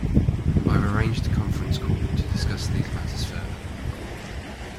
I have arranged a conference call to discuss these matters further.